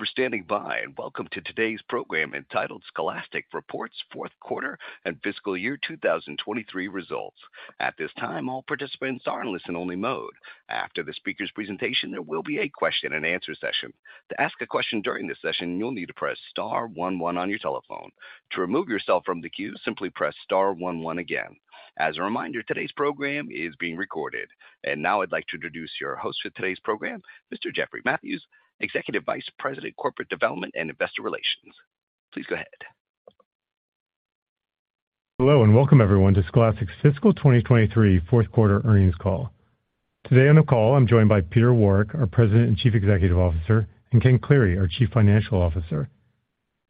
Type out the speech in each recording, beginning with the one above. Thank you for standing by, and welcome to today's program, entitled Scholastic Reports Q4 and Fiscal Year 2023 Results. At this time, all participants are in listen-only mode. After the speaker's presentation, there will be a question and answer session. To ask a question during this session, you'll need to press star one one on your telephone. To remove yourself from the queue, simply press star one one again. As a reminder, today's program is being recorded. Now I'd like to introduce your host for today's program, Mr. Jeffrey Mathews, Executive Vice President, Corporate Development and Investor Relations. Please go ahead. Hello, and welcome everyone to Scholastic's Fiscal 2023 Q4 Earnings Call. Today on the call, I'm joined by Peter Warwick, our President and Chief Executive Officer, and Ken Cleary, our Chief Financial Officer.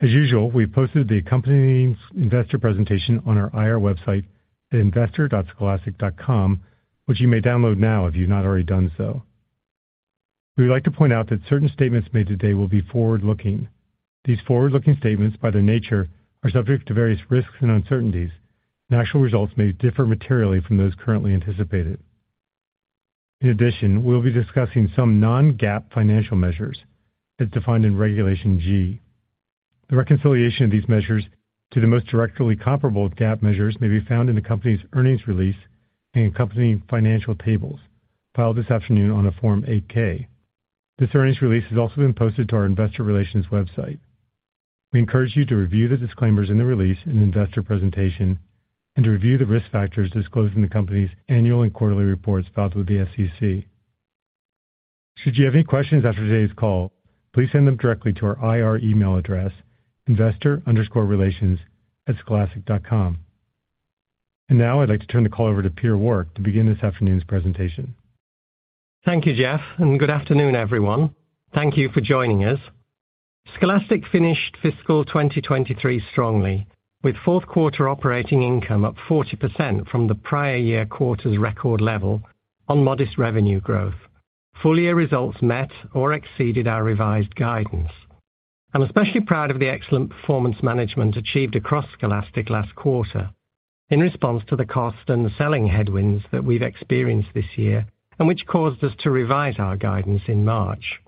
As usual, we posted the accompanying investor presentation on our IR website, the investor.scholastic.com, which you may download now if you've not already done so. We would like to point out that certain statements made today will be forward-looking. These forward-looking statements, by their nature, are subject to various risks and uncertainties, and actual results may differ materially from those currently anticipated. In addition, we'll be discussing some non-GAAP financial measures as defined in Regulation G. The reconciliation of these measures to the most directly comparable GAAP measures may be found in the company's earnings release and accompanying financial tables filed this afternoon on a Form 8-K. This earnings release has also been posted to our investor relations website. We encourage you to review the disclaimers in the release and investor presentation and to review the risk factors disclosed in the company's annual and quarterly reports filed with the SEC. Should you have any questions after today's call, please send them directly to our IR email address, investor_relations@scholastic.com. Now I'd like to turn the call over to Peter Warwick to begin this afternoon's presentation. Thank you, Jeff, and good afternoon, everyone. Thank you for joining us. Scholastic finished fiscal 2023 strongly, with Q4 operating income up 40% from the prior year quarter's record level on modest revenue growth. Full year results met or exceeded our revised guidance. I'm especially proud of the excellent performance management achieved across Scholastic last quarter in response to the cost and the selling headwinds that we've experienced this year and which caused us to revise our guidance in March.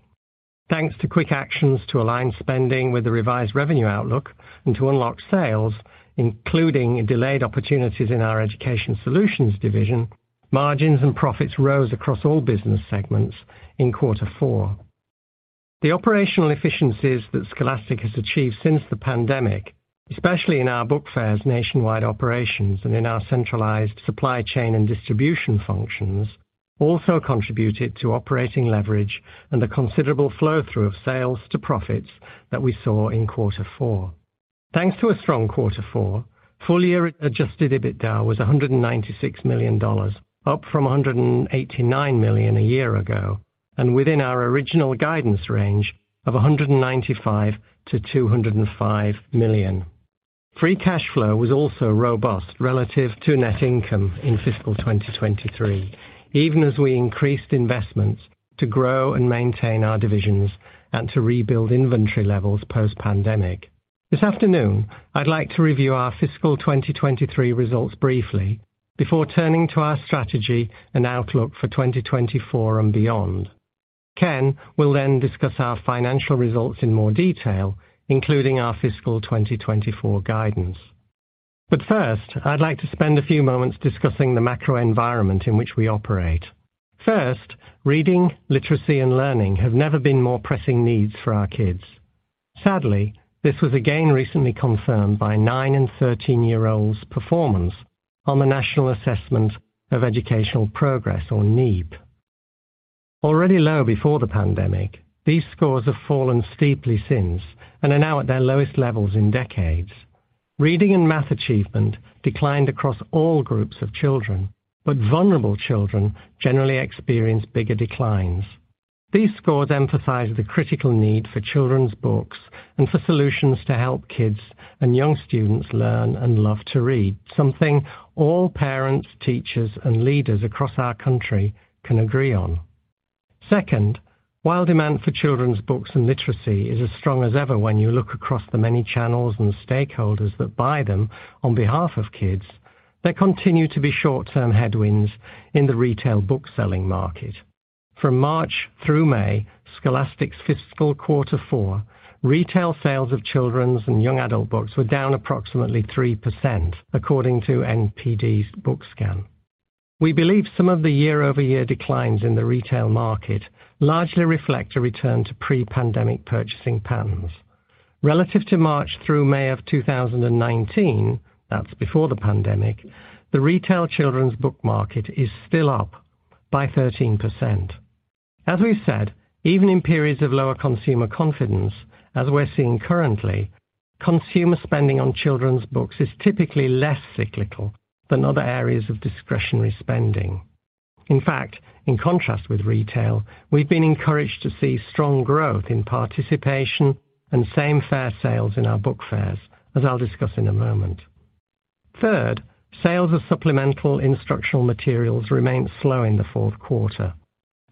Thanks to quick actions to align spending with the revised revenue outlook and to unlock sales, including delayed opportunities in our Education Solutions division, margins and profits rose across all business segments in quarter four. The operational efficiencies that Scholastic has achieved since the pandemic, especially in our book fairs, nationwide operations, and in our centralized supply chain and distribution functions, also contributed to operating leverage and a considerable flow through of sales to profits that we saw in quarter four. Thanks to a strong quarter four, full year adjusted EBITDA was $196 million, up from $189 million a year ago, and within our original guidance range of $195 million-$205 million. Free cash flow was also robust relative to net income in fiscal 2023, even as we increased investments to grow and maintain our divisions and to rebuild inventory levels post-pandemic. This afternoon, I'd like to review our fiscal 2023 results briefly before turning to our strategy and outlook for 2024 and beyond. Ken will then discuss our financial results in more detail, including our fiscal 2024 guidance. First, I'd like to spend a few moments discussing the macro environment in which we operate. First, reading, literacy, and learning have never been more pressing needs for our kids. Sadly, this was again recently confirmed by 9 and 13-year-olds' performance on the National Assessment of Educational Progress, or NAEP. Already low before the pandemic, these scores have fallen steeply since and are now at their lowest levels in decades. Reading and math achievement declined across all groups of children, but vulnerable children generally experience bigger declines. These scores emphasize the critical need for children's books and for solutions to help kids and young students learn and love to read, something all parents, teachers, and leaders across our country can agree on. While demand for children's books and literacy is as strong as ever when you look across the many channels and stakeholders that buy them on behalf of kids, there continue to be short-term headwinds in the retail bookselling market. From March through May, Scholastic's fiscal Quarter four, retail sales of children's and young adult books were down approximately 3%, according to NPD's BookScan. We believe some of the year-over-year declines in the retail market largely reflect a return to pre-pandemic purchasing patterns. Relative to March through May of 2019, that's before the pandemic, the retail children's book market is still up by 13%. As we've said, even in periods of lower consumer confidence, as we're seeing currently, consumer spending on children's books is typically less cyclical than other areas of discretionary spending. In fact, in contrast with retail, we've been encouraged to see strong growth in participation and same fair sales in our book fairs, as I'll discuss in a moment. Third, sales of supplemental instructional materials remained slow in the Q4,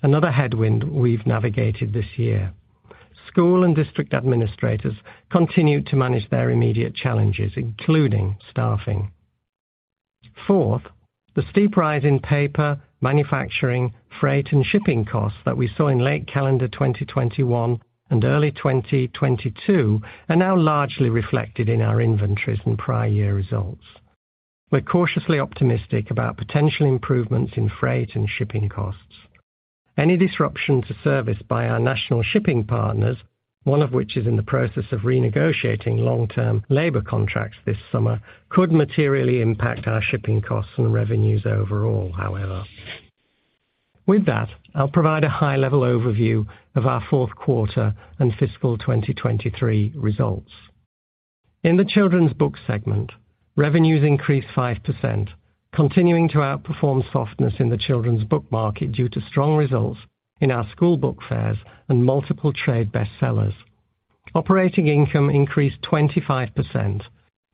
another headwind we've navigated this year. School and district administrators continued to manage their immediate challenges, including staffing. Fourth, the steep rise in paper, manufacturing, freight, and shipping costs that we saw in late calendar 2021 and early 2022 are now largely reflected in our inventories and prior year results. We're cautiously optimistic about potential improvements in freight and shipping costs. Any disruption to service by our national shipping partners, one of which is in the process of renegotiating long-term labor contracts this summer, could materially impact our shipping costs and revenues overall, however. With that, I'll provide a high-level overview of our Q4 and fiscal 2023 results. In the children's book segment, revenues increased 5%, continuing to outperform softness in the children's book market due to strong results in our school Book Fairs and multiple trade bestsellers. Operating income increased 25%,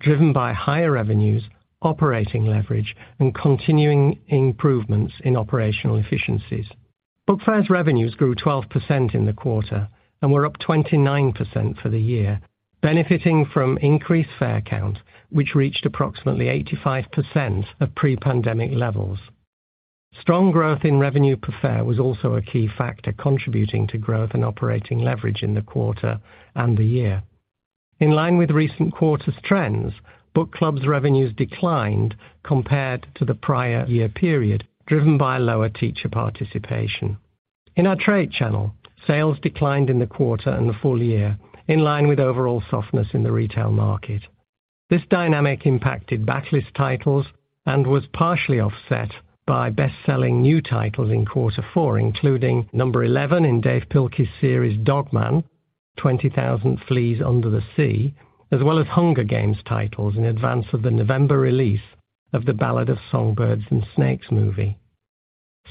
driven by higher revenues, operating leverage, and continuing improvements in operational efficiencies. Book Fairs revenues grew 12% in the quarter and were up 29% for the year, benefiting from increased Fair count, which reached approximately 85% of pre-pandemic levels. Strong growth in revenue per Fair was also a key factor contributing to growth and operating leverage in the quarter and the year. In line with recent quarters trends, Book Clubs revenues declined compared to the prior year period, driven by lower teacher participation. In our trade channel, sales declined in the quarter and the full year, in line with overall softness in the retail market. This dynamic impacted backlist titles and was partially offset by best-selling new titles in quarter 4, including number 11 in Dav Pilkey's series, Dog Man, Twenty Thousand Fleas Under the Sea, as well as Hunger Games titles in advance of the November release of The Ballad of Songbirds and Snakes movie.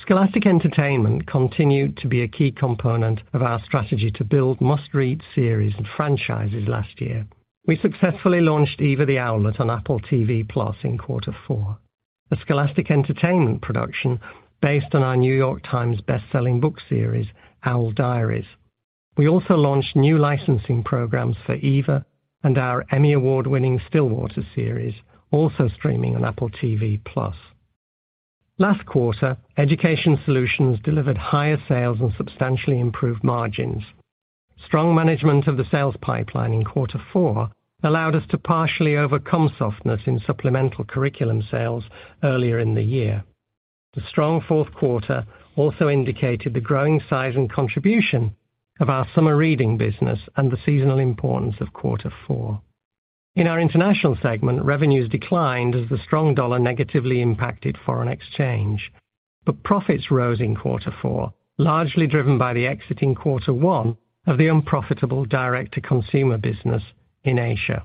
Scholastic Entertainment continued to be a key component of our strategy to build must-read series and franchises last year. We successfully launched Eva the Owlet on Apple TV+ in quarter 4, a Scholastic Entertainment production based on our New York Times best-selling book series, Owl Diaries. We also launched new licensing programs for Eva and our Emmy Award-winning Stillwater series, also streaming on Apple TV+. Last quarter, Education Solutions delivered higher sales and substantially improved margins. Strong management of the sales pipeline in quarter four allowed us to partially overcome softness in supplemental curriculum sales earlier in the year. The strong Q4 also indicated the growing size and contribution of our summer reading business and the seasonal importance of quarter four. In our international segment, revenues declined as the strong dollar negatively impacted foreign exchange, but profits rose in quarter four, largely driven by the exiting quarter one of the unprofitable direct-to-consumer business in Asia.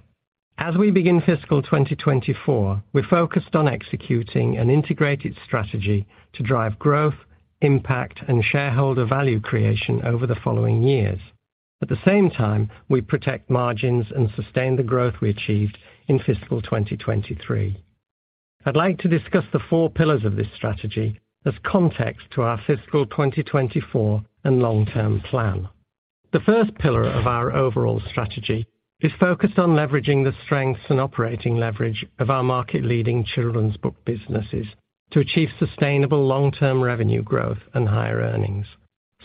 As we begin fiscal 2024, we're focused on executing an integrated strategy to drive growth, impact, and shareholder value creation over the following years. At the same time, we protect margins and sustain the growth we achieved in fiscal 2023. I'd like to discuss the four pillars of this strategy as context to our fiscal 2024 and long-term plan. The first pillar of our overall strategy is focused on leveraging the strengths and operating leverage of our market-leading children's book businesses to achieve sustainable long-term revenue growth and higher earnings.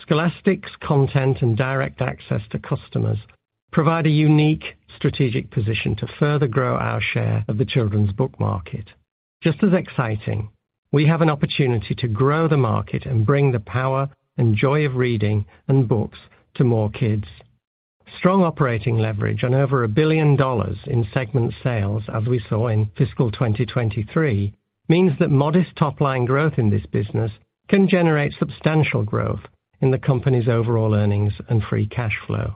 Scholastic's content and direct access to customers provide a unique strategic position to further grow our share of the children's book market. Just as exciting, we have an opportunity to grow the market and bring the power and joy of reading and books to more kids. Strong operating leverage on over $1 billion in segment sales, as we saw in fiscal 2023, means that modest top-line growth in this business can generate substantial growth in the company's overall earnings and free cash flow.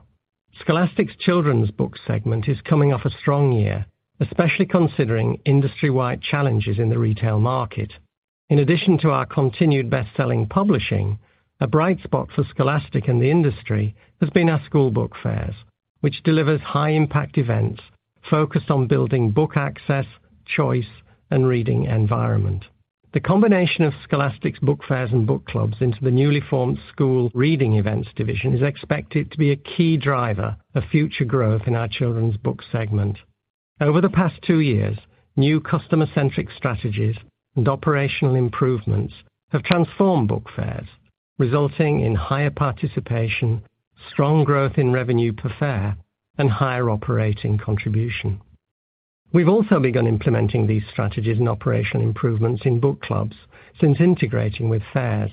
Scholastic's children's book segment is coming off a strong year, especially considering industry-wide challenges in the retail market. In addition to our continued best-selling publishing, a bright spot for Scholastic and the industry has been our School Book Fairs, which delivers high-impact events focused on building book access, choice, and reading environment. The combination of Scholastic's Book Fairs and Book Clubs into the newly formed School Reading Events division is expected to be a key driver of future growth in our children's book segment. Over the past two years, new customer-centric strategies and operational improvements have transformed Book Fairs, resulting in higher participation, strong growth in revenue per fair, and higher operating contribution. We've also begun implementing these strategies and operational improvements in Book Clubs since integrating with Fairs.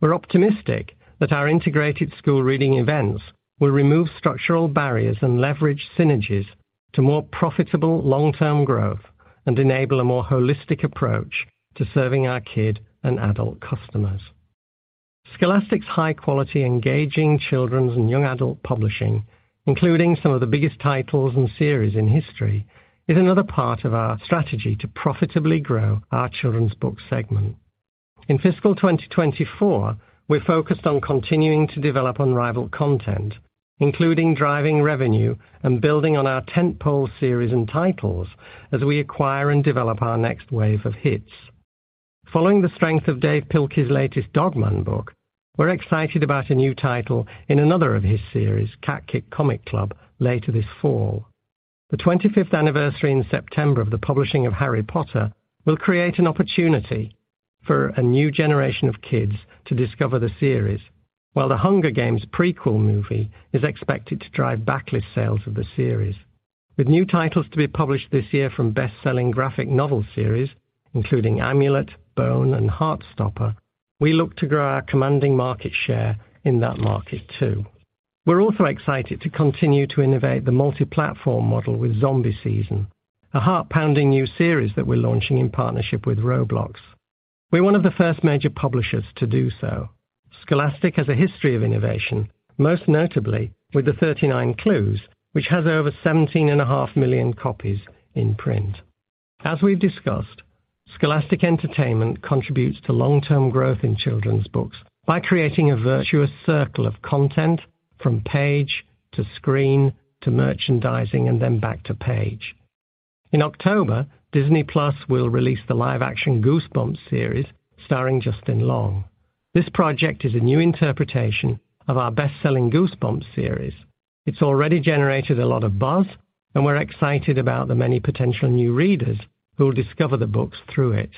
We're optimistic that our integrated School Reading Events will remove structural barriers and leverage synergies to more profitable long-term growth and enable a more holistic approach to serving our kid and adult customers. Scholastic's high-quality, engaging children's and young adult publishing, including some of the biggest titles and series in history, is another part of our strategy to profitably grow our children's book segment. In fiscal 2024, we're focused on continuing to develop unrivaled content, including driving revenue and building on our tentpole series and titles as we acquire and develop our next wave of hits. Following the strength of Dav Pilkey's latest Dog Man book, we're excited about a new title in another of his series, Cat Kid Comic Club, later this fall. The 25th anniversary in September of the publishing of Harry Potter will create an opportunity for a new generation of kids to discover the series, while The Hunger Games prequel movie is expected to drive backlist sales of the series. With new titles to be published this year from best-selling graphic novel series, including Amulet, Bone, and Heartstopper, we look to grow our commanding market share in that market, too. We're also excited to continue to innovate the multi-platform model with Zombie Season, a heart-pounding new series that we're launching in partnership with Roblox. We're one of the first major publishers to do so. Scholastic has a history of innovation, most notably with The 39 Clues, which has over 17.5 million copies in print. As we've discussed, Scholastic Entertainment contributes to long-term growth in children's books by creating a virtuous circle of content from page to screen to merchandising and then back to page. In October, Disney+ will release the live-action Goosebumps series starring Justin Long. This project is a new interpretation of our best-selling Goosebumps series. It's already generated a lot of buzz. We're excited about the many potential new readers who will discover the books through it.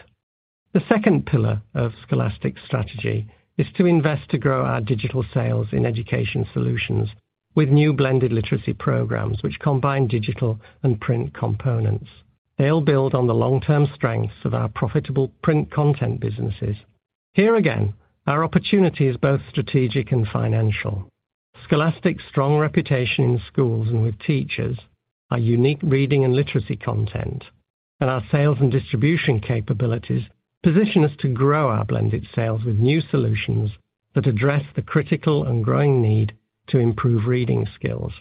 The second pillar of Scholastic's strategy is to invest to grow our digital sales in Education Solutions with new blended literacy programs, which combine digital and print components. They all build on the long-term strengths of our profitable print content businesses. Here again, our opportunity is both strategic and financial. Scholastic's strong reputation in schools and with teachers, our unique reading and literacy content, and our sales and distribution capabilities position us to grow our blended sales with new solutions that address the critical and growing need to improve reading skills.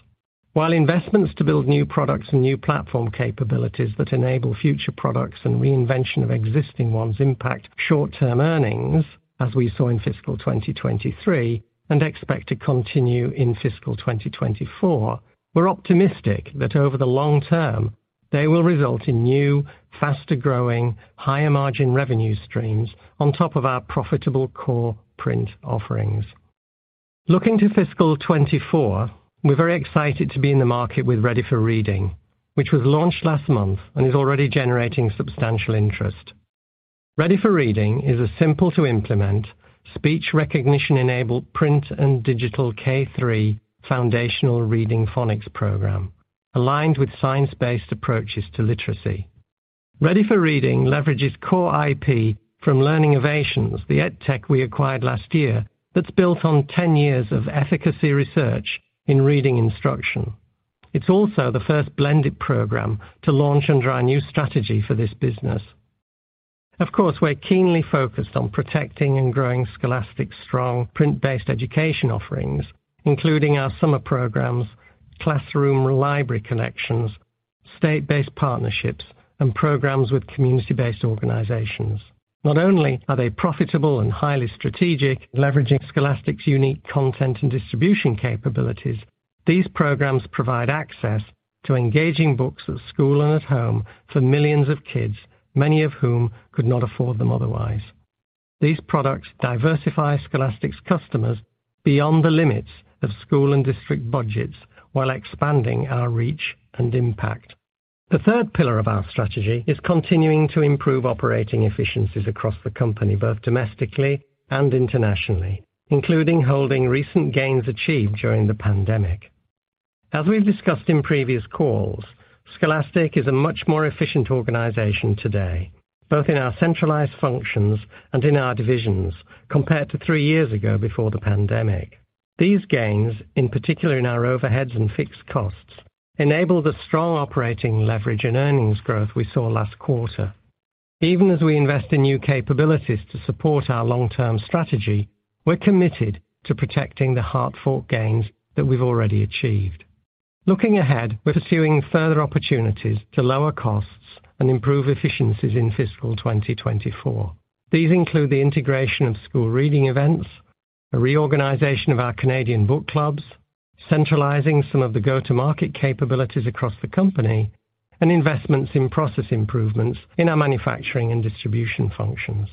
While investments to build new products and new platform capabilities that enable future products and reinvention of existing ones impact short-term earnings, as we saw in fiscal 2023 and expect to continue in fiscal 2024, we're optimistic that over the long term, they will result in new, faster-growing, higher-margin revenue streams on top of our profitable core print offerings. Looking to fiscal 2024, we're very excited to be in the market with Ready4Reading, which was launched last month and is already generating substantial interest. Ready4Reading is a simple-to-implement, speech-recognition-enabled print and digital K-3 foundational reading phonics program, aligned with science-based approaches to literacy. Ready4Reading leverages core IP from Learning Ovations, the edtech we acquired last year, that's built on 10 years of efficacy research in reading instruction. It's also the first blended program to launch under our new strategy for this business. Of course, we're keenly focused on protecting and growing Scholastic's strong print-based education offerings, including our summer programs, classroom library collections, state-based partnerships, and programs with community-based organizations. Not only are they profitable and highly strategic, leveraging Scholastic's unique content and distribution capabilities, these programs provide access to engaging books at school and at home for millions of kids, many of whom could not afford them otherwise. These products diversify Scholastic's customers beyond the limits of school and district budgets while expanding our reach and impact. The third pillar of our strategy is continuing to improve operating efficiencies across the company, both domestically and internationally, including holding recent gains achieved during the pandemic. As we've discussed in previous calls, Scholastic is a much more efficient organization today, both in our centralized functions and in our divisions, compared to three years ago before the pandemic. These gains, in particular in our overheads and fixed costs, enable the strong operating leverage and earnings growth we saw last quarter. Even as we invest in new capabilities to support our long-term strategy, we're committed to protecting the hard-fought gains that we've already achieved. Looking ahead, we're pursuing further opportunities to lower costs and improve efficiencies in fiscal 2024. These include the integration of School Reading Events, a reorganization of our Canadian Book Clubs, centralizing some of the go-to-market capabilities across the company, and investments in process improvements in our manufacturing and distribution functions.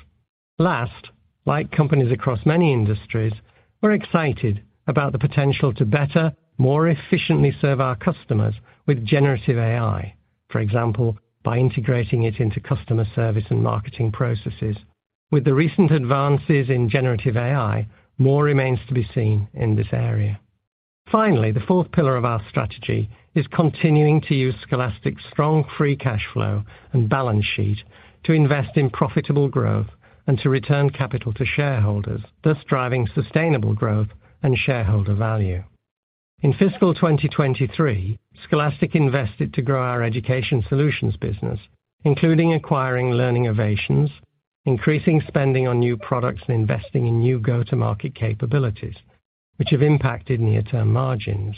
Last, like companies across many industries, we're excited about the potential to better, more efficiently serve our customers with generative AI, for example, by integrating it into customer service and marketing processes. With the recent advances in generative AI, more remains to be seen in this area. Finally, the fourth pillar of our strategy is continuing to use Scholastic's strong free cash flow and balance sheet to invest in profitable growth and to return capital to shareholders, thus driving sustainable growth and shareholder value. In fiscal 2023, Scholastic invested to grow our Education Solutions business, including acquiring Learning Ovations, increasing spending on new products, and investing in new go-to-market capabilities, which have impacted near-term margins.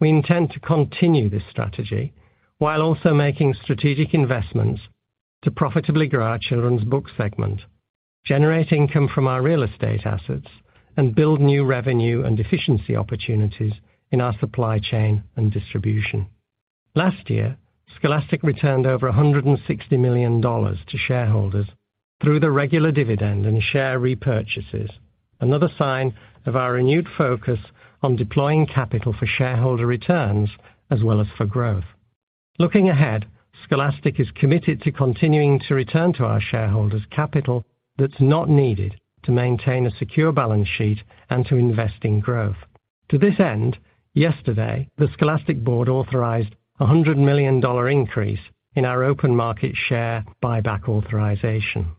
We intend to continue this strategy while also making strategic investments to profitably grow our children's book segment, generate income from our real estate assets, and build new revenue and efficiency opportunities in our supply chain and distribution. Last year, Scholastic returned over $160 million to shareholders through the regular dividend and share repurchases. Another sign of our renewed focus on deploying capital for shareholder returns as well as for growth. Looking ahead, Scholastic is committed to continuing to return to our shareholders capital that's not needed to maintain a secure balance sheet and to invest in growth. To this end, yesterday, the Scholastic Board authorized a $100 million increase in our open market share buyback authorization.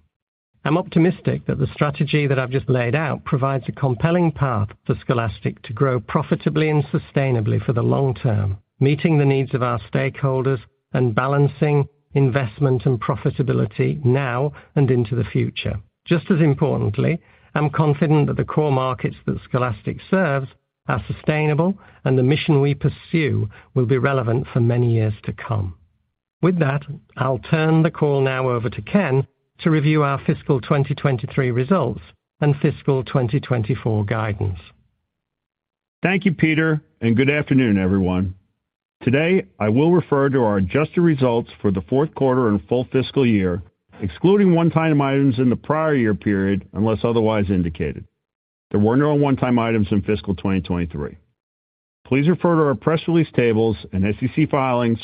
I'm optimistic that the strategy that I've just laid out provides a compelling path for Scholastic to grow profitably and sustainably for the long term, meeting the needs of our stakeholders and balancing investment and profitability now and into the future. Just as importantly, I'm confident that the core markets that Scholastic serves are sustainable and the mission we pursue will be relevant for many years to come. With that, I'll turn the call now over to Ken to review our fiscal 2023 results and fiscal 2024 guidance. Thank you, Peter. Good afternoon, everyone. Today, I will refer to our adjusted results for the Q4 and full fiscal year, excluding one-time items in the prior year period, unless otherwise indicated. There were no one-time items in fiscal 2023. Please refer to our press release tables and SEC filings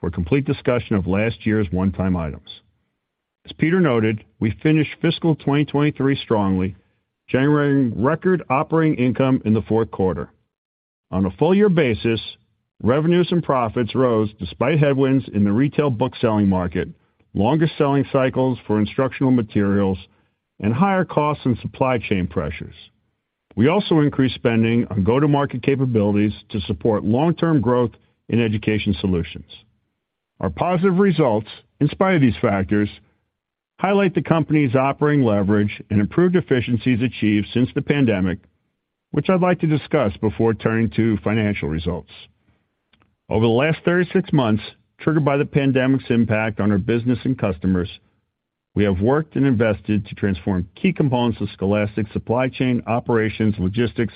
for a complete discussion of last year's one-time items. As Peter noted, we finished fiscal 2023 strongly, generating record operating income in the Q4. On a full year basis, revenues and profits rose despite headwinds in the retail book selling market, longer selling cycles for instructional materials, and higher costs and supply chain pressures. We also increased spending on go-to-market capabilities to support long-term growth in Education Solutions. Our positive results, in spite of these factors, highlight the company's operating leverage and improved efficiencies achieved since the pandemic, which I'd like to discuss before turning to financial results. Over the last 36 months, triggered by the pandemic's impact on our business and customers, we have worked and invested to transform key components of Scholastic supply chain, operations, logistics,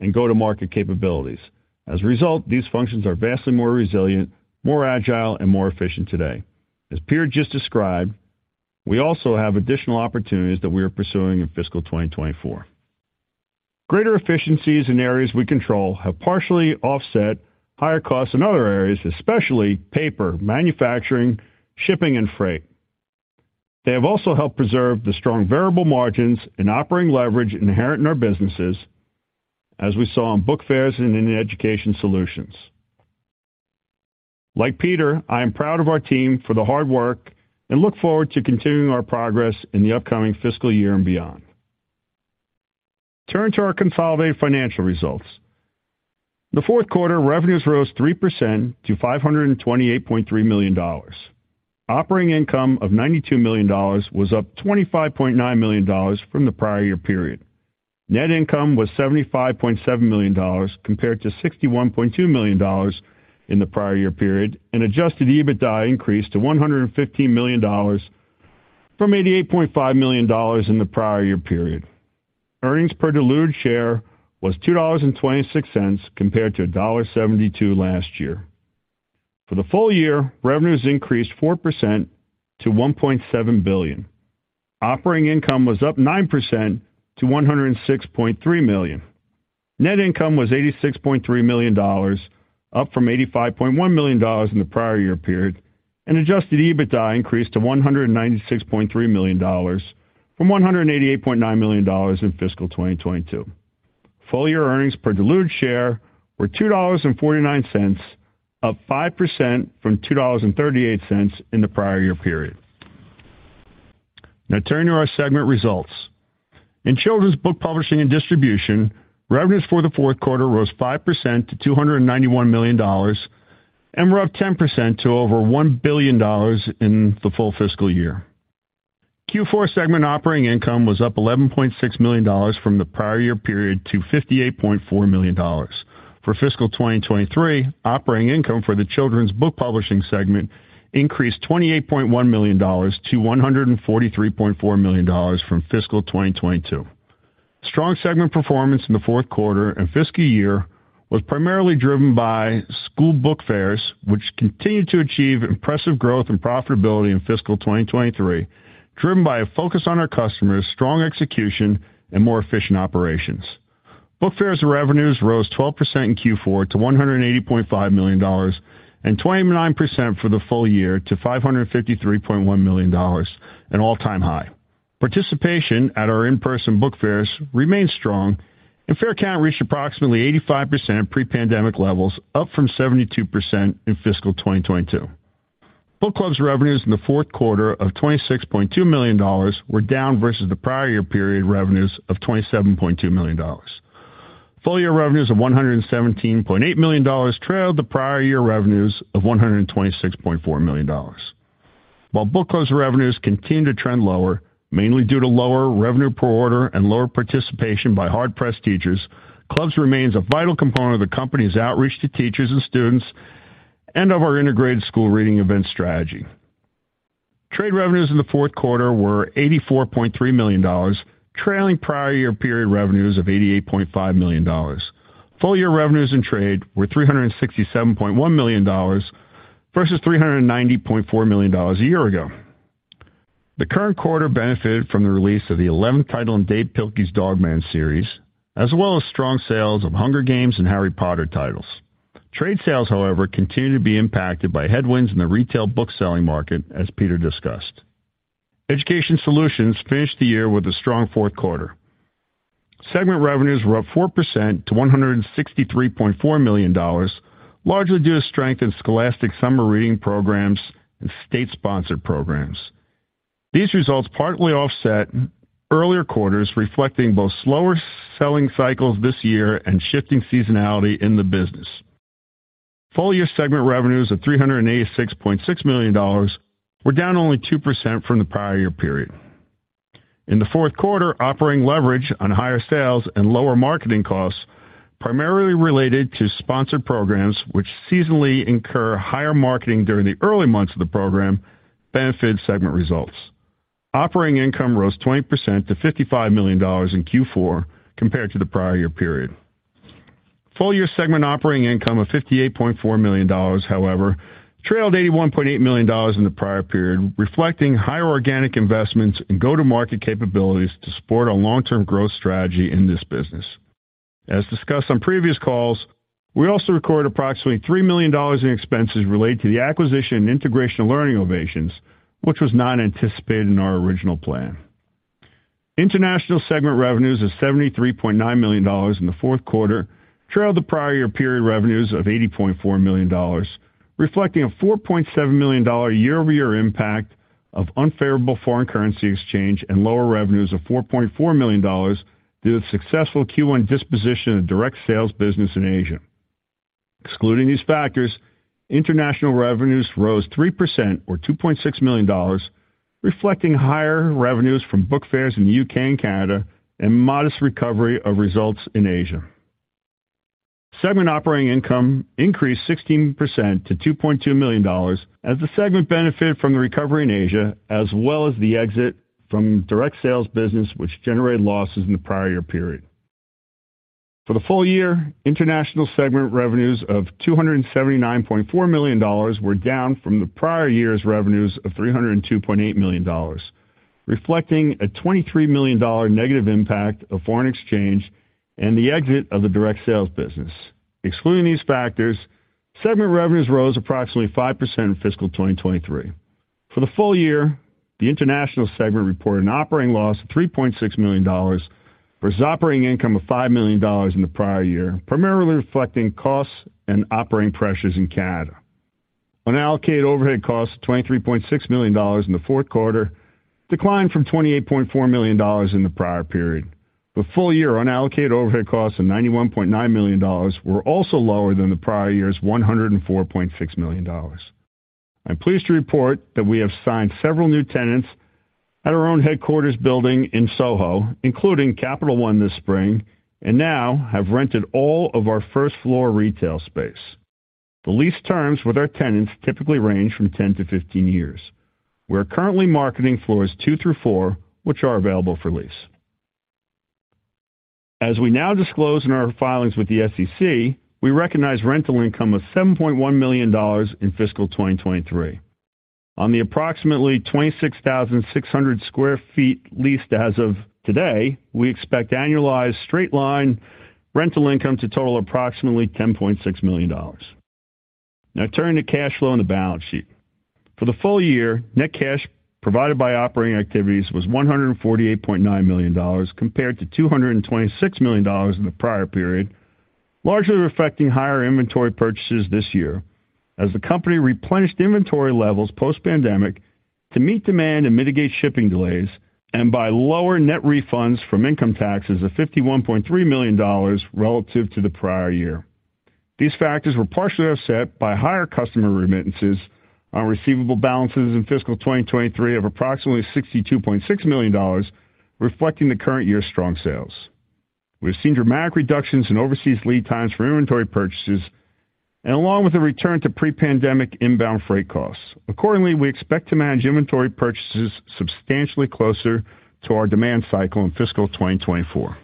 and go-to-market capabilities. As a result, these functions are vastly more resilient, more agile, and more efficient today. As Peter just described, we also have additional opportunities that we are pursuing in fiscal 2024. Greater efficiencies in areas we control have partially offset higher costs in other areas, especially paper, manufacturing, shipping, and freight. They have also helped preserve the strong variable margins and operating leverage inherent in our businesses, as we saw on Book Fairs and in the Education Solutions. Like Peter, I am proud of our team for the hard work and look forward to continuing our progress in the upcoming fiscal year and beyond. Turning to our consolidated financial results. In the Q4, revenues rose 3% to $528.3 million. Operating income of $92 million was up $25.9 million from the prior year period. Net income was $75.7 million, compared to $61.2 million in the prior year period, and adjusted EBITDA increased to $115 million from $88.5 million in the prior year period. Earnings per diluted share was $2.26, compared to $1.72 last year. For the full year, revenues increased 4% to $1.7 billion. Operating income was up 9% to $106.3 million. Net income was $86.3 million, up from $85.1 million in the prior year period, and adjusted EBITDA increased to $196.3 million from $188.9 million in fiscal 2022. Full-year earnings per diluted share were $2.49, up 5% from $2.38 in the prior year period. Turning to our segment results. In children's book publishing and distribution, revenues for the Q4 rose 5% to $291 million and were up 10% to over $1 billion in the full fiscal year. Q4 segment operating income was up $11.6 million from the prior year period to $58.4 million. For fiscal 2023, operating income for the children's book publishing segment increased $28.1 million to $143.4 million from fiscal 2022. Strong segment performance in the Q4 and fiscal year was primarily driven by School Book Fairs, which continued to achieve impressive growth and profitability in fiscal 2023, driven by a focus on our customers, strong execution, and more efficient operations. Book Fairs revenues rose 12% in Q4 to $180.5 million and 29% for the full year to $553.1 million, an all-time high. Participation at our in-person Book Fairs remained strong and fair count reached approximately 85% of pre-pandemic levels, up from 72% in fiscal 2022. Book Clubs revenues in the Q4 of $26.2 million were down versus the prior year period revenues of $27.2 million. Full year revenues of $117.8 million trailed the prior year revenues of $126.4 million. While Book Clubs revenues continue to trend lower, mainly due to lower revenue per order and lower participation by hard-pressed teachers, Book Clubs remains a vital component of the company's outreach to teachers and students and of our integrated School Reading Event strategy. Trade revenues in the Q4 were $84.3 million, trailing prior year period revenues of $88.5 million. Full year revenues in trade were $367.1 million, versus $390.4 million a year ago. The current quarter benefited from the release of the 11th title in Dav Pilkey's Dog Man series, as well as strong sales of The Hunger Games and Harry Potter titles. Trade sales, however, continue to be impacted by headwinds in the retail book selling market, as Peter discussed. Education Solutions finished the year with a strong Q4. Segment revenues were up 4% to $163.4 million, largely due to strength in Scholastic summer reading programs and state-sponsored programs. These results partly offset earlier quarters, reflecting both slower selling cycles this year and shifting seasonality in the business. Full year segment revenues of $386.6 million were down only 2% from the prior year period. In the Q4, operating leverage on higher sales and lower marketing costs, primarily related to sponsored programs, which seasonally incur higher marketing during the early months of the program, benefited segment results. Operating income rose 20% to $55 million in Q4 compared to the prior year period. Full year segment operating income of $58.4 million, however, trailed $81.8 million in the prior period, reflecting higher organic investments and go-to-market capabilities to support our long-term growth strategy in this business. As discussed on previous calls, we also recorded approximately $3 million in expenses related to the acquisition and integration of Learning Ovations, which was not anticipated in our original plan. International Segment revenues of $73.9 million in the Q4 trailed the prior year period revenues of $80.4 million, reflecting a $4.7 million year-over-year impact of unfavorable foreign currency exchange and lower revenues of $4.4 million due to the successful Q1 disposition of direct sales business in Asia. Excluding these factors, international revenues rose 3% or $2.6 million, reflecting higher revenues from book fairs in the U.K. and Canada and modest recovery of results in Asia. Segment operating income increased 16% to $2.2 million as the segment benefited from the recovery in Asia, as well as the exit from direct sales business, which generated losses in the prior year period. For the full year, international segment revenues of $279.4 million were down from the prior year's revenues of $302.8 million, reflecting a $23 million negative impact of foreign exchange and the exit of the direct sales business. Excluding these factors, segment revenues rose approximately 5% in fiscal 2023. For the full year, the international segment reported an operating loss of $3.6 million versus operating income of $5 million in the prior year, primarily reflecting costs and operating pressures in Canada. Unallocated overhead costs of $23.6 million in the Q4 declined from $28.4 million in the prior period. The full year unallocated overhead costs of $91.9 million were also lower than the prior year's $104.6 million. I'm pleased to report that we have signed several new tenants at our own headquarters building in Soho, including Capital One this spring, and now have rented all of our first-floor retail space. The lease terms with our tenants typically range from 10 to 15 years. We are currently marketing floors 2 through 4, which are available for lease. As we now disclose in our filings with the SEC, we recognize rental income of $7.1 million in fiscal 2023. On the approximately 26,600 sq ft leased as of today, we expect annualized straight-line rental income to total approximately $10.6 million. Turning to cash flow and the balance sheet. For the full year, net cash provided by operating activities was $148.9 million, compared to $226 million in the prior period, largely reflecting higher inventory purchases this year as the company replenished inventory levels post-pandemic to meet demand and mitigate shipping delays, and by lower net refunds from income taxes of $51.3 million relative to the prior year. These factors were partially offset by higher customer remittances on receivable balances in fiscal 2023 of approximately $62.6 million, reflecting the current year's strong sales. We have seen dramatic reductions in overseas lead times for inventory purchases and along with a return to pre-pandemic inbound freight costs. Accordingly, we expect to manage inventory purchases substantially closer to our demand cycle in fiscal 2024.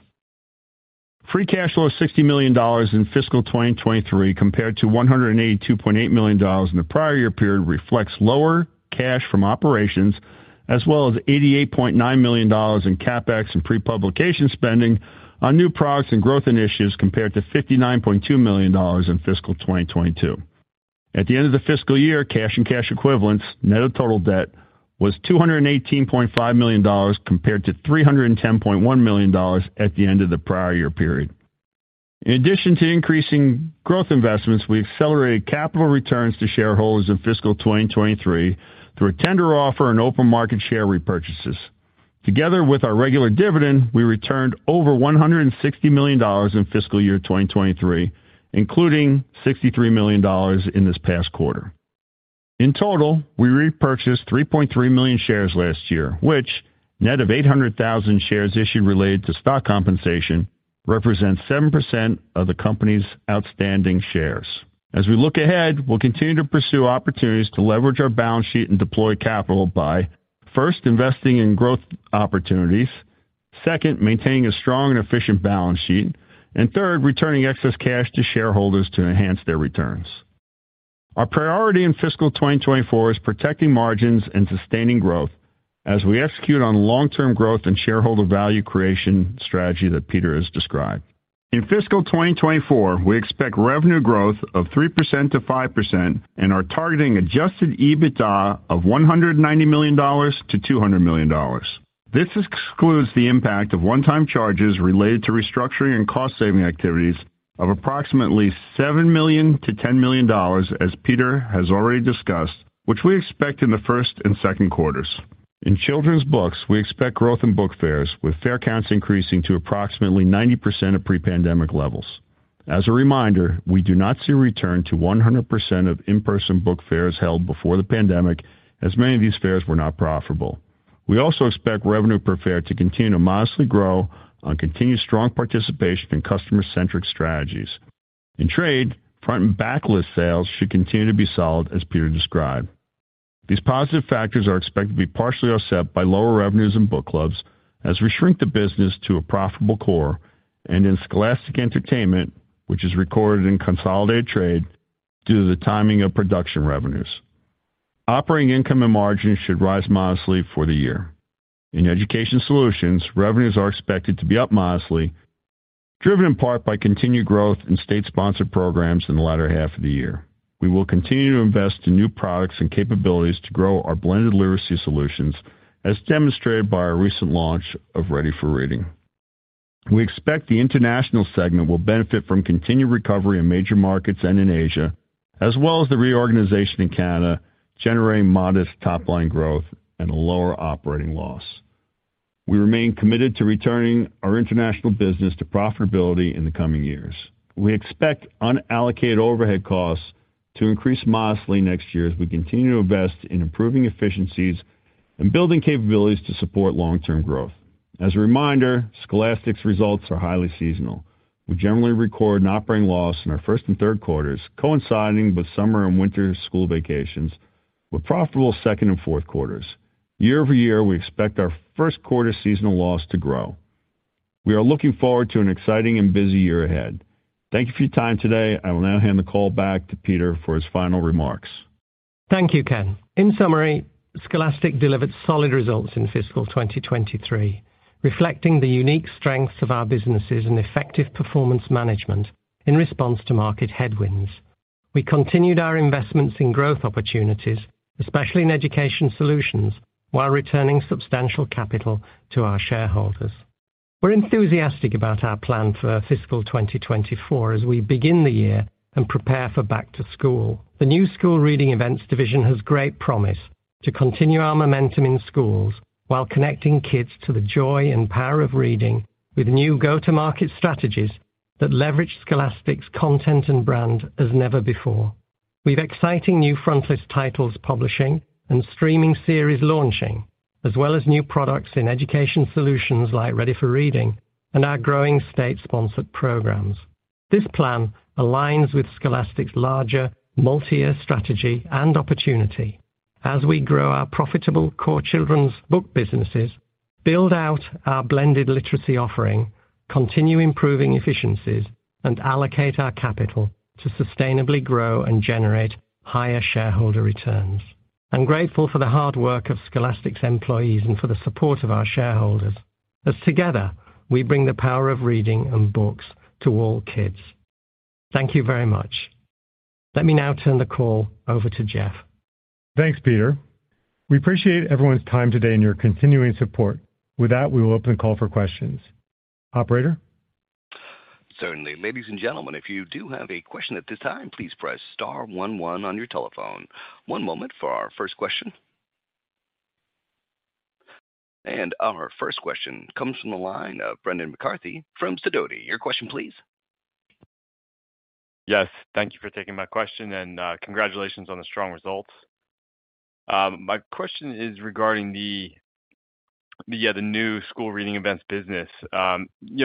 Free cash flow of $60 million in fiscal 2023, compared to $182.8 million in the prior year period, reflects lower cash from operations, as well as $88.9 million in CapEx and pre-publication spending on new products and growth initiatives, compared to $59.2 million in fiscal 2022. At the end of the fiscal year, cash and cash equivalents, net of total debt, was $218.5 million, compared to $310.1 million at the end of the prior year period. In addition to increasing growth investments, we accelerated capital returns to shareholders in fiscal 2023 through a tender offer and open market share repurchases. Together with our regular dividend, we returned over $160 million in fiscal year 2023, including $63 million in this past quarter. In total, we repurchased 3.3 million shares last year, which net of 800,000 shares issued related to stock compensation, represents 7% of the company's outstanding shares. As we look ahead, we'll continue to pursue opportunities to leverage our balance sheet and deploy capital by, first, investing in growth opportunities. Second, maintaining a strong and efficient balance sheet, and third, returning excess cash to shareholders to enhance their returns. Our priority in fiscal 2024 is protecting margins and sustaining growth as we execute on long-term growth and shareholder value creation strategy that Peter has described. In fiscal 2024, we expect revenue growth of 3%-5% and are targeting adjusted EBITDA of $190 million-$200 million. This excludes the impact of one-time charges related to restructuring and cost-saving activities of approximately $7 million-$10 million, as Peter has already discussed, which we expect in the first and Q2s. In children's books, we expect growth in Book Fairs, with fair counts increasing to approximately 90% of pre-pandemic levels. As a reminder, we do not see a return to 100% of in-person Book Fairs held before the pandemic, as many of these fairs were not profitable. We also expect revenue per fair to continue to modestly grow on continued strong participation in customer-centric strategies. In trade, front and backlist sales should continue to be solid, as Peter described. These positive factors are expected to be partially offset by lower revenues in book clubs as we shrink the business to a profitable core, and in Scholastic Entertainment, which is recorded in consolidated trade due to the timing of production revenues. Operating income and margins should rise modestly for the year. In Education Solutions, revenues are expected to be up modestly, driven in part by continued growth in state-sponsored programs in the latter half of the year. We will continue to invest in new products and capabilities to grow our blended literacy solutions, as demonstrated by our recent launch of Ready4Reading. We expect the international segment will benefit from continued recovery in major markets and in Asia, as well as the reorganization in Canada, generating modest top-line growth and a lower operating loss. We remain committed to returning our international business to profitability in the coming years. We expect unallocated overhead costs to increase modestly next year, as we continue to invest in improving efficiencies and building capabilities to support long-term growth. As a reminder, Scholastic's results are highly seasonal. We generally record an operating loss in our first and Q3s, coinciding with summer and winter school vacations, with profitable second and Q4s. Year-over-year, we expect our Q1 seasonal loss to grow. We are looking forward to an exciting and busy year ahead. Thank you for your time today. I will now hand the call back to Peter for his final remarks. Thank you, Ken. In summary, Scholastic delivered solid results in fiscal 2023, reflecting the unique strengths of our businesses and effective performance management in response to market headwinds. We continued our investments in growth opportunities, especially in Education Solutions, while returning substantial capital to our shareholders. We're enthusiastic about our plan for fiscal 2024 as we begin the year and prepare for back to school. The new School Reading Events division has great promise to continue our momentum in schools while connecting kids to the joy and power of reading, with new go-to-market strategies that leverage Scholastic's content and brand as never before. We've exciting new frontlist titles, publishing and streaming series launching, as well as new products in Education Solutions like Ready4Reading and our growing state-sponsored programs. This plan aligns with Scholastic's larger multi-year strategy and opportunity as we grow our profitable core children's book businesses, build out our blended literacy offering, continue improving efficiencies, and allocate our capital to sustainably grow and generate higher shareholder returns. I'm grateful for the hard work of Scholastic's employees and for the support of our shareholders, as together, we bring the power of reading and books to all kids. Thank you very much. Let me now turn the call over to Jeff. Thanks, Peter. We appreciate everyone's time today and your continuing support. With that, we will open the call for questions. Operator? Certainly. Ladies and gentlemen, if you do have a question at this time, please press star one one on your telephone. One moment for our first question. Our first question comes from the line of Brendan McCarthy from Sidoti. Your question please. Yes, thank you for taking my question, and congratulations on the strong results. My question is regarding the new School Reading Events business.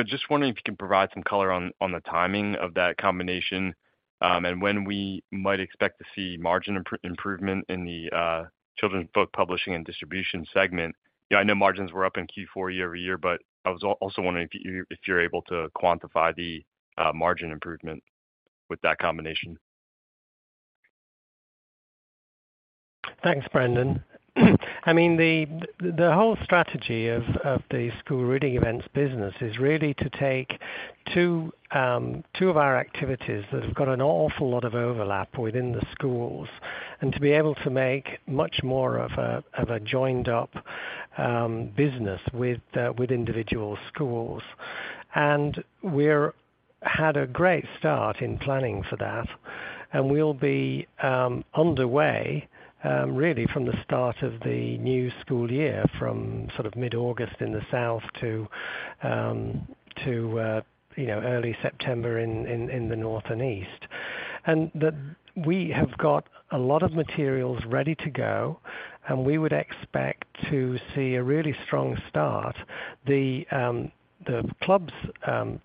Just wondering if you can provide some color on the timing of that combination, and when we might expect to see margin improvement in the children's book publishing and distribution segment. I know margins were up in Q4 year-over-year, but I was also wondering if you were able to quantify the margin improvement with that combination. Thanks, Brendan. I mean, the whole strategy of the School Reading Events business is really to take 2 of our activities that have got an awful lot of overlap within the schools and to be able to make much more of a joined up business with individual schools. We had a great start in planning for that, and we'll be underway really from the start of the new school year, from sort of mid-August in the South to, you know, early September in the North and East. That we have got a lot of materials ready to go, and we would expect to see a really strong start. The Clubs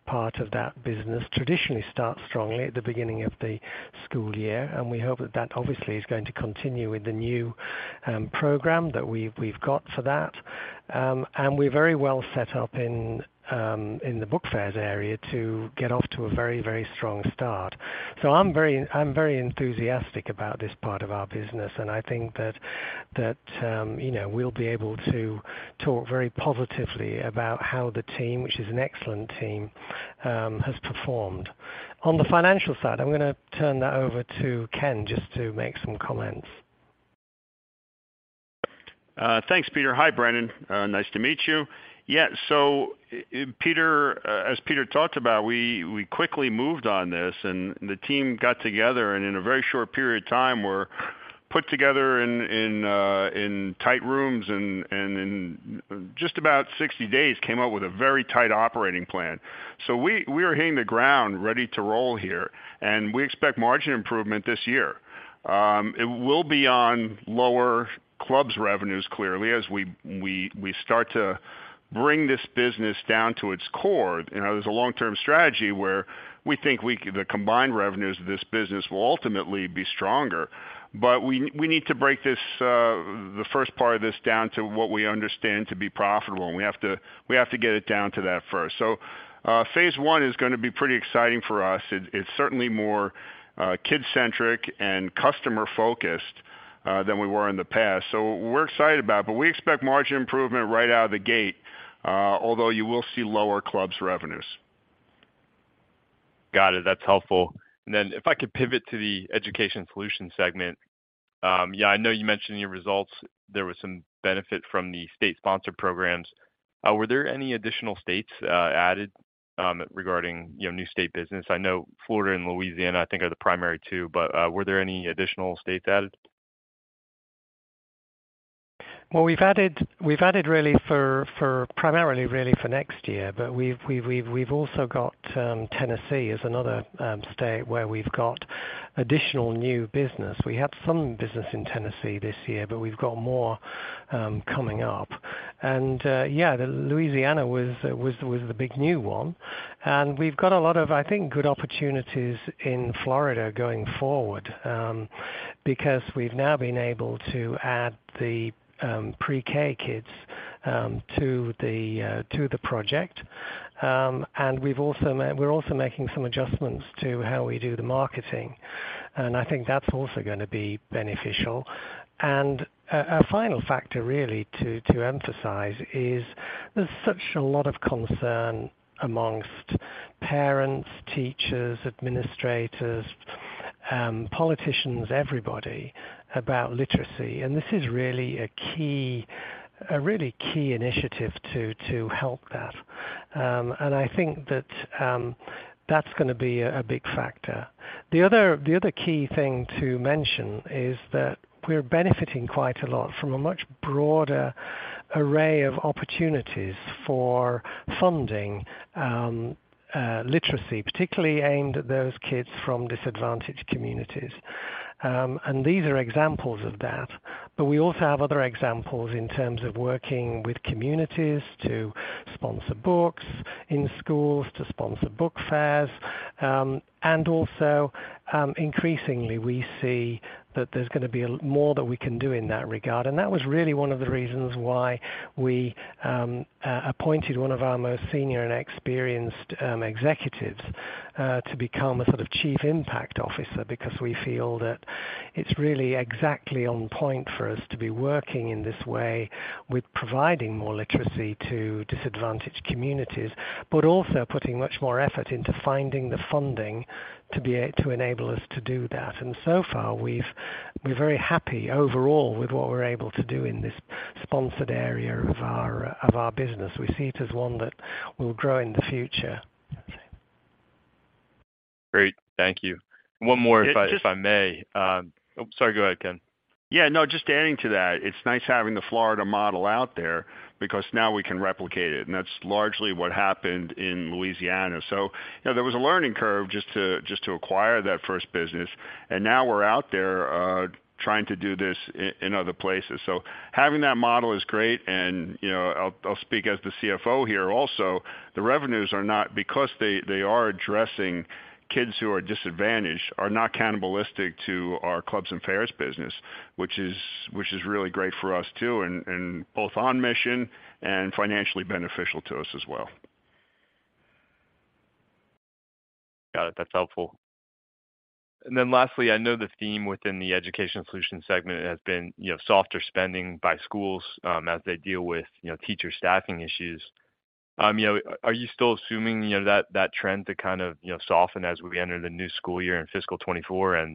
part of that business traditionally starts strongly at the beginning of the school year, and we hope that that obviously is going to continue with the new program that we've got for that. We're very well set up in the Book Fairs area to get off to a very, very strong start. I'm very enthusiastic about this part of our business, and I think that, you know, we'll be able to talk very positively about how the team, which is an excellent team, has performed. On the financial side, I'm gonna turn that over to Ken, just to make some comments. Thanks, Peter. Hi, Brendan. Nice to meet you. Peter, as Peter talked about, we quickly moved on this, and the team got together, and in a very short period of time, were put together in tight rooms and in just about 60 days, came out with a very tight operating plan. We are hitting the ground ready to roll here, and we expect margin improvement this year. It will be on lower clubs revenues, clearly, as we start to bring this business down to its core. You know, there's a long-term strategy where we think the combined revenues of this business will ultimately be stronger. We need to break this, the first part of this down to what we understand to be profitable, and we have to get it down to that first. Phase one is gonna be pretty exciting for us. It's certainly more kid-centric and customer-focused than we were in the past, so we're excited about it. We expect margin improvement right out of the gate, although you will see lower clubs revenues. Got it. That's helpful. If I could pivot to the Education Solutions segment. Yeah, I know you mentioned in your results there was some benefit from the state-sponsored programs. Were there any additional states added regarding, you know, new state business? I know Florida and Louisiana, I think, are the primary two, but were there any additional states added? Well, we've added really for primarily really for next year, but we've also got Tennessee as another state where we've got additional new business. We had some business in Tennessee this year, but we've got more coming up, yeah, Louisiana was the big new one. We've got a lot of, I think, good opportunities in Florida going forward, because we've now been able to add the pre-K kids to the project. We're also making some adjustments to how we do the marketing, I think that's also gonna be beneficial. A final factor really to emphasize is there's such a lot of concern amongst parents, teachers, administrators, politicians, everybody, about literacy, this is really a key, a really key initiative to help that. I think that's gonna be a big factor. The other key thing to mention is that we're benefiting quite a lot from a much broader array of opportunities for funding, literacy, particularly aimed at those kids from disadvantaged communities. These are examples of that, but we also have other examples in terms of working with communities to sponsor books in schools, to sponsor book fairs. Also, increasingly we see that there's gonna be more that we can do in that regard. That was really one of the reasons why we appointed one of our most senior and experienced executives to become a sort of chief impact officer. Because we feel that it's really exactly on point for us to be working in this way with providing more literacy to disadvantaged communities, but also putting much more effort into finding the funding to enable us to do that. So far, we're very happy overall with what we're able to do in this sponsored area of our, of our business. We see it as one that will grow in the future. Great. Thank you. One more, if I, if I may. Just- oh, sorry. Go ahead, Ken. Yeah, no, just adding to that, it's nice having the Florida model out there because now we can replicate it, and that's largely what happened in Louisiana. you know, there was a learning curve just to acquire that first business, and now we're out there trying to do this in other places. having that model is great, and, you know, I'll speak as the CFO here also. The revenues are not because they are addressing kids who are disadvantaged, are not cannibalistic to our clubs and fairs business, which is really great for us, too, and both on mission and financially beneficial to us as well. Got it. That's helpful. Lastly, I know the theme within the Education Solutions segment has been, you know, softer spending by schools, as they deal with, you know, teacher staffing issues. You know, are you still assuming, you know, that trend to kind of, you know, soften as we enter the new school year in fiscal 2024?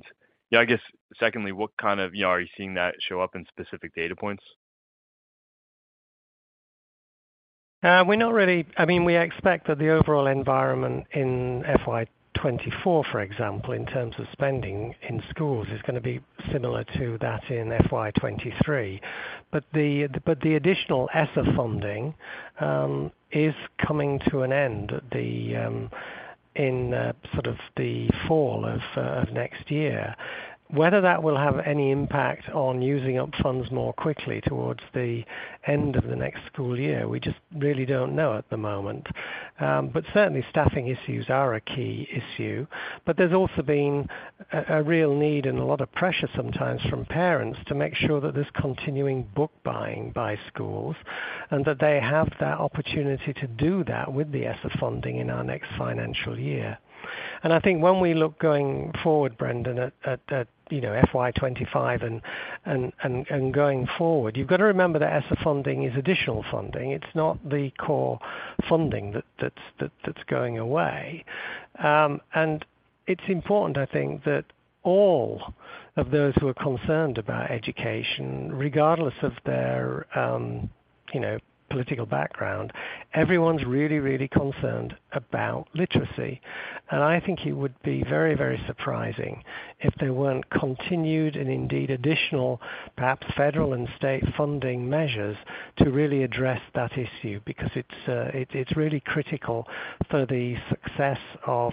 Yeah, I guess secondly, what kind of, you know, are you seeing that show up in specific data points? We expect that the overall environment in FY 2024, for example, in terms of spending in schools, is gonna be similar to that in FY 2023. The additional ESSER funding is coming to an end. In sort of the fall of next year. Whether that will have any impact on using up funds more quickly towards the end of the next school year, we just really don't know at the moment. Certainly, staffing issues are a key issue, but there's also been a real need and a lot of pressure sometimes from parents to make sure that there's continuing book buying by schools, and that they have that opportunity to do that with the ESSER funding in our next financial year. I think when we look going forward, Brendan, at, you know, FY 25 and going forward, you've got to remember that ESSER funding is additional funding. It's not the core funding that's going away. It's important, I think, that all of those who are concerned about education, regardless of their, you know, political background, everyone's really concerned about literacy. I think it would be very surprising if there weren't continued and indeed additional, perhaps federal and state funding measures to really address that issue. It's really critical for the success of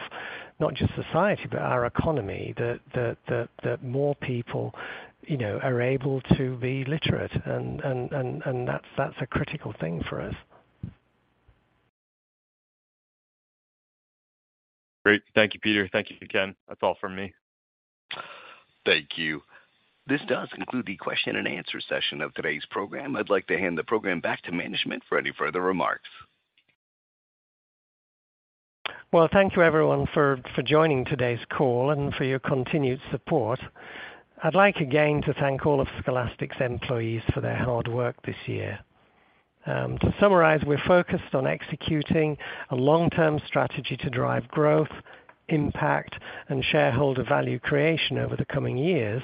not just society, but our economy, that more people, you know, are able to be literate, and that's a critical thing for us. Great. Thank you, Peter. Thank you, Ken. That's all from me. Thank you. This does conclude the question and answer session of today's program. I'd like to hand the program back to management for any further remarks. Well, thank you everyone for joining today's call and for your continued support. I'd like again to thank all of Scholastic's employees for their hard work this year. To summarize, we're focused on executing a long-term strategy to drive growth, impact, and shareholder value creation over the coming years,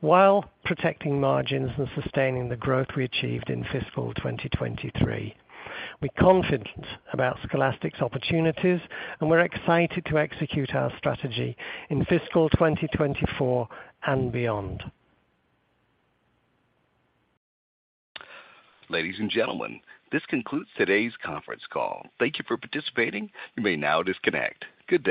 while protecting margins and sustaining the growth we achieved in fiscal 2023. We're confident about Scholastic's opportunities, we're excited to execute our strategy in fiscal 2024 and beyond. Ladies and gentlemen, this concludes today's conference call. Thank you for participating. You may now disconnect. Good day.